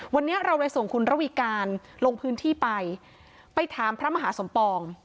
วันนี้เราเลยส่งคุณระวีการลงพื้นที่ไปไปถามพระมหาสมปอง